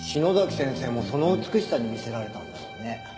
先生もその美しさに魅せられたんだろうね。